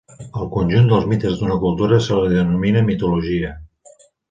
Al conjunt dels mites d'una cultura se li denomina mitologia.